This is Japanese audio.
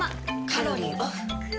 カロリーオフ。